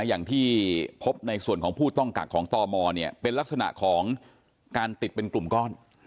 อย่างที่พบในส่วนของผู้ต้องกักของตมเป็นลักษณะของการติดเป็นกลุ่มก้อน